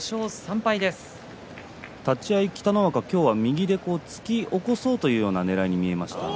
立ち合い北の若、今日は右で突き起こそうというようなねらいに見えました。